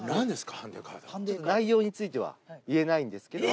内容については言えないんですけども。